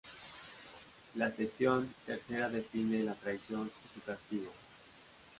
La sección tercera define la traición y su castigo.